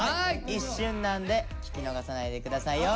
一瞬なんで聞き逃さないで下さいよ。